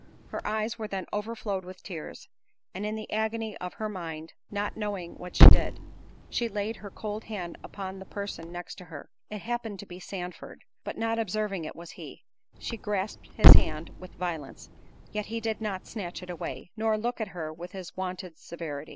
Her eyes then overflowed with tears, and in the agony of her mind, not knowing what she did, she laid her cold hand upon the person next to her—it happened to be Sandford; but not observing it was he, she grasped his hand with violence—yet he did not snatch it away, nor look at her with his wonted severity.